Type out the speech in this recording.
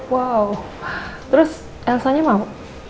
wow terus elsanya mau